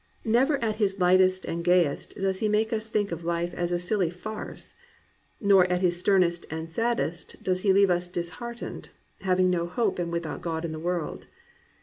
Never at his lightest and gayest does he make us think of life as a silly farce; nor at his sternest and saddest does he leave us disheartened, "having no hope and without God in the world."